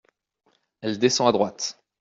Elle descend à droite.